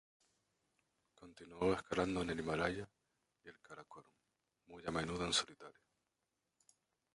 Continuó escalando en el Himalaya y el Karakorum, muy a menudo en solitario.